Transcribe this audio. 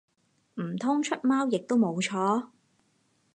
唔通出貓亦都冇錯？